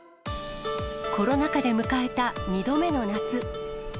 コロナ禍で迎えた２度目の夏。